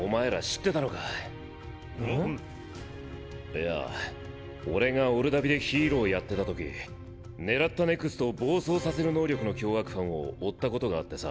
いや俺がオルダビでヒーローやってた時狙ったＮＥＸＴを暴走させる能力の凶悪犯を追ったことがあってさ。